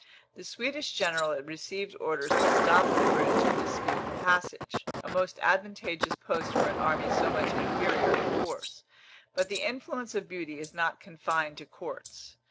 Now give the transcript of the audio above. The Swedish general received orders to stop at the bridge and dispute the passage a most advantageous post for an army so much inferior in force; but the influence of beauty is not confined to courts.